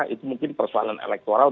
itu mungkin persoalan elektoral